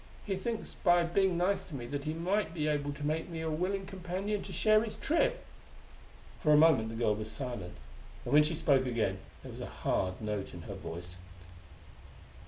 He thinks by being nice to me that he might be able to make me a willing companion to share his trip!" For a moment the girl was silent; and when she spoke again there was a hard note in her voice.